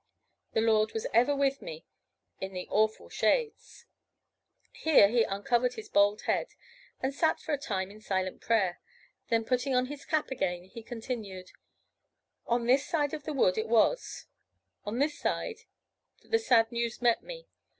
The Lord was ever with me in the awful shades." Here he uncovered his bald head, and sat for a time in silent prayer; then putting his cap on again, he continued: "On this side of the wood it was on this side, that the sad news met me.